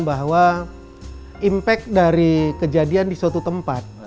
bahwa impact dari kejadian di suatu tempat